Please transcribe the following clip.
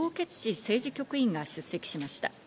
政治局員が出席しました。